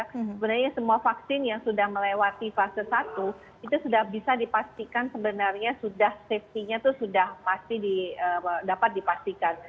sebenarnya semua vaksin yang sudah melewati fase satu itu sudah bisa dipastikan sebenarnya sudah safety nya itu sudah pasti dapat dipastikan